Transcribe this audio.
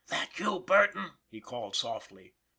" That you, Burton?" he called softly.